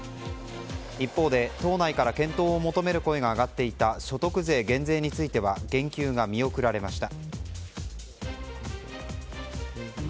一方で党内から検討を求める声が上がっていた所得税減税については言及が見送られました。